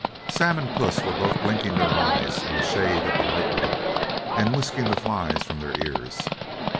Sam and Puss were both blinking their eyes in the shade of the lightwood, and whisking the flies from their ears.